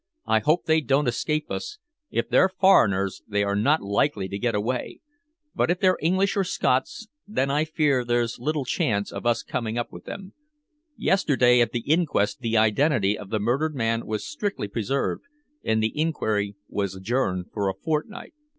"I hope they don't escape us. If they're foreigners, they are not likely to get away. But if they're English or Scots, then I fear there's but little chance of us coming up with them. Yesterday at the inquest the identity of the murdered man was strictly preserved, and the inquiry was adjourned for a fortnight."